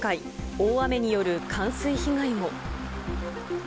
大雨による冠水被害も。